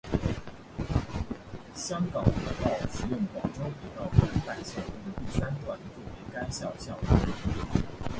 香港培道使用广州培道原版校歌的第三段作为该校校歌。